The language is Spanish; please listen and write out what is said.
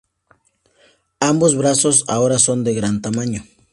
Ambos brazos ahora son de gran tamaño.